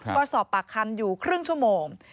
ก็สอบปากคำอยู่ครึ่งชั่วโมง